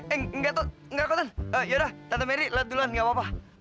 eh eh enggak kok tan yaudah tante merry lewat duluan gak apa apa